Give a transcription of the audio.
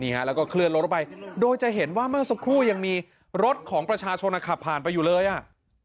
แล้วก็เคลื่อนรถออกไปโดยจะเห็นว่าเมื่อสักครู่ยังมีรถของประชาชนขับผ่านไปอยู่เลยอ่ะ